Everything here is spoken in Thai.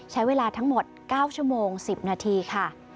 ใช้เวลาทั้งหมด๙ชั่วโมง๑๐นาทีค่ะ